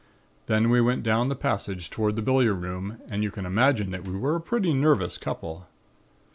Then we went down the passage toward the billiard room and you can imagine that we were a pretty nervous couple.